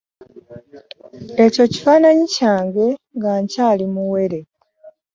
Ekyo kifananyi kyange nga nkyali muwere.